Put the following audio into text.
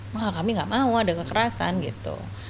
wah kami gak mau ada kekerasan gitu